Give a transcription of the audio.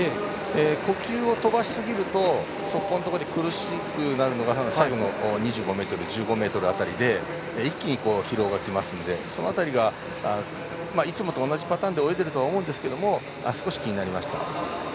呼吸を飛ばしすぎると苦しくなるのが最後の２５ｍ、１５ｍ辺りで一気に疲労がきますのでその辺り、いつもと同じパターンだと思いますが少し気になりました。